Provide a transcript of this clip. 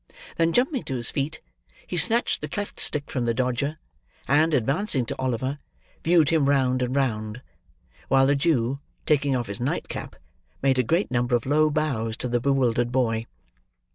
Then jumping to his feet, he snatched the cleft stick from the Dodger; and, advancing to Oliver, viewed him round and round; while the Jew, taking off his nightcap, made a great number of low bows to the bewildered boy.